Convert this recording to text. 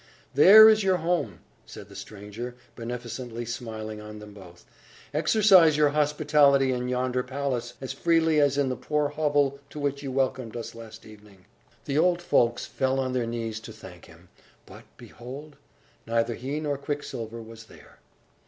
"There is your home," said the stranger, beneficently smiling on them both. "Exercise your hospitality in yonder palace as freely as in the poor hovel to which you welcomed us last evening." The old folks fell on their knees to thank him; but, behold! neither he nor Quicksilver was there.